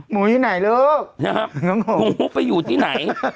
หมูที่ไหนลูกหมูไปอยู่ที่ไหน